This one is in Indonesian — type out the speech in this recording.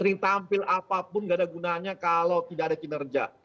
sering tampil apapun gak ada gunanya kalau tidak ada kinerja